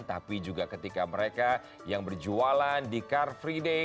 tapi juga ketika mereka yang berjualan di car free day